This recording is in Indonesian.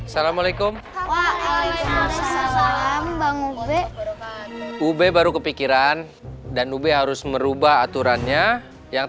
salamualaikum waalaikumsalam bang ube ube baru kepikiran dan ube harus merubah aturannya yang